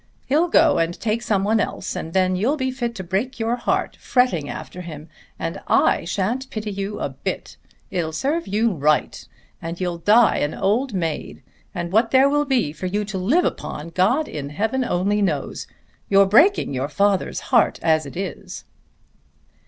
He'll go and take some one else and then you'll be fit to break your heart, fretting after him, and I shan't pity you a bit. It'll serve you right and you'll die an old maid, and what there will be for you to live upon God in heaven only knows. You're breaking your father's heart, as it is."